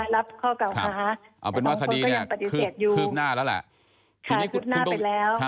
รับข้อก่อค้าแต่น้องคนก็ยังปฏิเสธอยู่ขายพุทธหน้าไปแล้ว